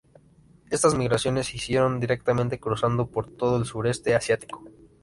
Estas migraciones se hicieron directamente cruzando por todo el sureste asiático.